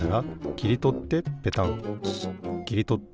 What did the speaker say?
きりとってペタン。